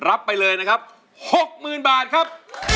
รับไปเลยนะครับ๖๐๐๐บาทครับ